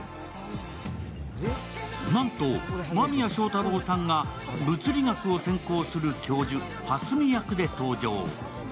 なんと、間宮祥太朗さんが物理学を専攻する教授、蓮見役で登場。